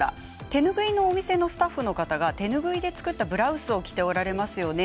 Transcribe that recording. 手ぬぐいのお店のスタッフの方が手ぬぐいで作ったブラウスを着ておられますよね